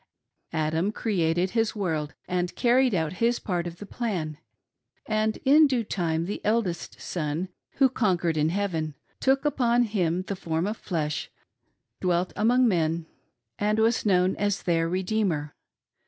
Adam created his world, and carried out his part of the plan ; and in due time the eldest son, who con quered in heaven, took upon him the form of flesh, dwelt among men, and was known as their Redeemer.